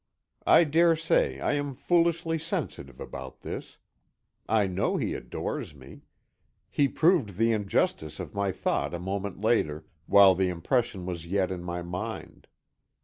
I daresay I am foolishly sensitive about this. I know he adores me. He proved the injustice of my thought a moment later while the impression was yet in my mind.